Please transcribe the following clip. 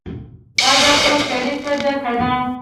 اگه خو شريکه ده کنه.